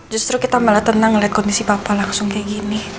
justru kita malah tenang melihat kondisi papa langsung kayak gini